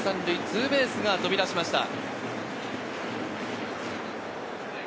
ツーベースが飛び出しました。